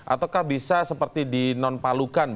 ataukah bisa seperti di non palukan